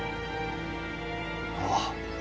ああ。